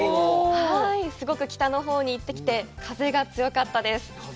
すごく北のほうに行ってきて風が強かったです。